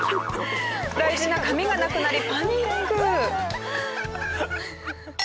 大事な髪がなくなりパニック！